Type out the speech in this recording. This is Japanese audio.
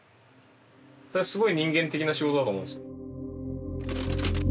それはすごい人間的な仕事だと思うんです。